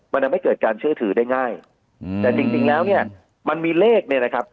มันทำให้เกิดการเชื่อถือได้ง่ายอืมแต่จริงจริงแล้วเนี่ยมันมีเลขเนี่ยนะครับ